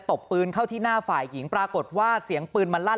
บปืนเข้าที่หน้าฝ่ายหญิงปรากฏว่าเสียงปืนมันลั่น